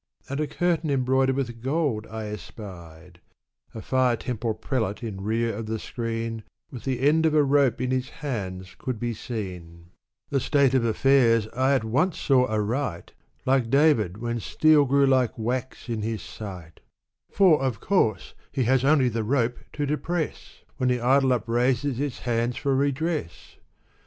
And a curtain embroidered with gold I espied ; A fire temple prelate in rear of the screen, With the end of a rope in his hands, could be seen. m Digitized by Google a^t^^^^fe^jg^^^agai 336 Sa'dL The state of affairs I at once saw aright — Like David ' when steel grew like wax in his sight For, of course, he has only the rope to depress, When the idol upraises its hands for redress